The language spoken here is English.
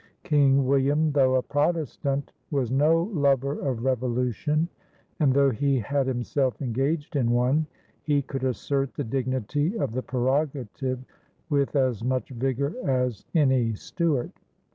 King William, though a Protestant, was no lover of revolution, and, though he had himself engaged in one, he could assert the dignity of the prerogative with as much vigor as any Stuart.